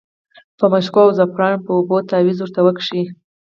په مشکو او زعفرانو په اوبو تاویز ورته وکیښ.